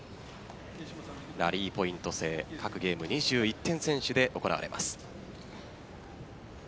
ラリーポイント制各ゲーム２１点先取で行われます。